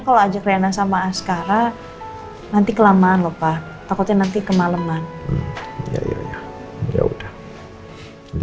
kalau ajak riana sama sekarang nanti kelamaan lupa takutnya nanti kemaleman ya udah nanti